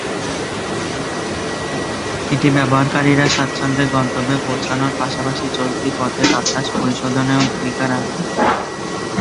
এটি ব্যবহারকারীরা স্বাচ্ছন্দ্যে গন্তব্যে পৌঁছানোর পাশাপাশি চলতি পথে বাতাস পরিশোধনেও ভূমিকা রাখবেন।